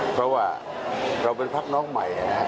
เพราะว่าเราเป็นพักฯน้องใหม่